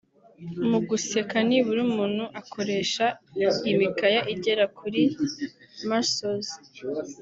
Mu guseka nibura umuntu akoresha imikaya igera kuri (muscles)